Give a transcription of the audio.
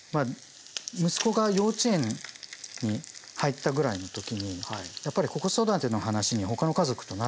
息子が幼稚園に入ったぐらいの時にやっぱり子育ての話にほかの家族となるんですよ。